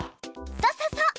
そうそうそう！